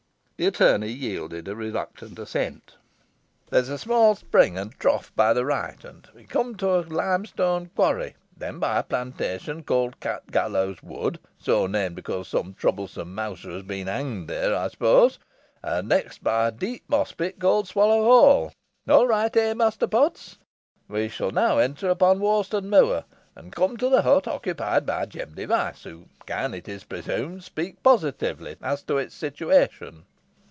The attorney yielded a reluctant assent. "There is next a small spring and trough on the right, and we then come to a limestone quarry then by a plantation called Cat Gallows Wood so named, because some troublesome mouser has been hanged there, I suppose, and next by a deep moss pit, called Swallow Hole. All right, eh, Master Potts? We shall now enter upon Worston Moor, and come to the hut occupied by Jem Device, who can, it is presumed, speak positively as to its situation."